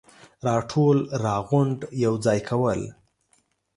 راټول ، راغونډ ، يوځاي کول,